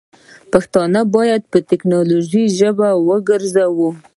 پښتو باید دټیکنالوژۍ ژبه وګرځوو.